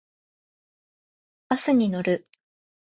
バスに乗る。